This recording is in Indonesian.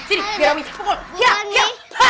sini biar aku cek